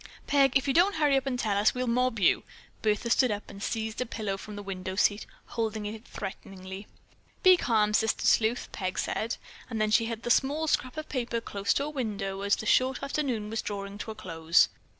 "Peg, if you don't hurry and tell us, we'll mob you." Bertha stood up and seized a pillow from the window seat, holding it threateningly. "Be calm, Sister Sleuth," Peg said. Then she held the small scrap of paper close to a window as the short afternoon was drawing to a close.